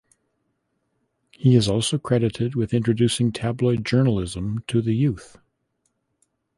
He is also credited with introducing tabloid journalism to the youth.